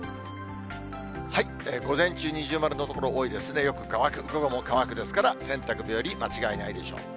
午前中二重丸の所、多いですね、よく乾く、午後も乾くですから、洗濯日和、間違いないでしょう。